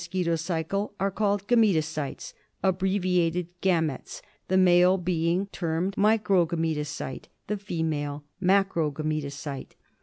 ^■' quito cycle are called Gametocytes — abbreviated Gametes, the male being termed Microgametocyte, the female Macrogametocyte.